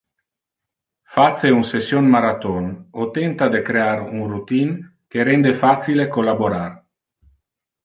Face un session marathon o tenta de crear un routine que rende facile collaborar.